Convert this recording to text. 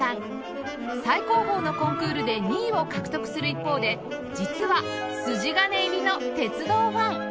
最高峰のコンクールで２位を獲得する一方で実は筋金入りの鉄道ファン